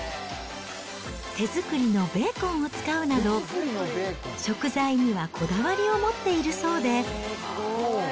手作りのベーコンを使うなど、食材にはこだわりを持っているそうで。